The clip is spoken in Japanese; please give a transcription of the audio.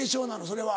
それは。